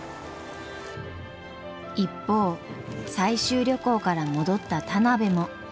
一方採集旅行から戻った田邊も。